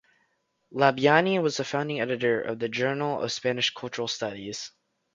Labyani was the founding editor of the "Journal of Spanish Cultural Studies".